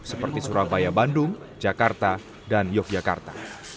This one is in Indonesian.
seperti surabaya bandung jakarta dan yogyakarta